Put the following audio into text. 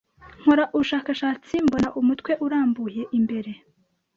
Nkora ubushakashatsi mbona umutwe urambuye imbere